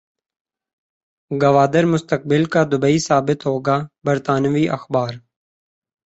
گوادر مستقبل کا دبئی ثابت ہوگا برطانوی اخبار